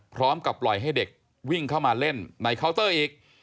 พร้อมกับปล่อยให้เด็กวิ่งเข้ามาเล่นในเคาน์เตอร์อีก